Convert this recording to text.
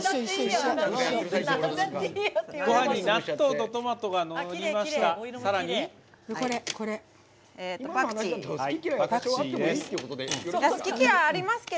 ごはんに納豆とトマトがのりました。